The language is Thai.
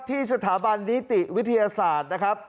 ที่สถาบันนิติวิทยาศาสตร์นะครับ